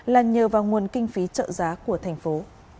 là nhờ vào nguồn kinh phí trợ giá của thành phố